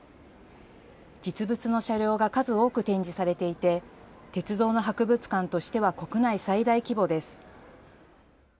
実物の車両が数多く展示されていて鉄道の博物館としては国内最大規模です。